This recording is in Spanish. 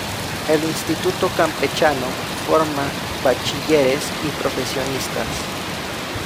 El Instituto Campechano forma bachilleres y profesionistas.